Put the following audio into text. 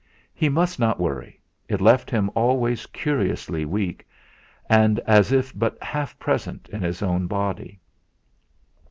He must not worry, it left him always curiously weak, and as if but half present in his own body.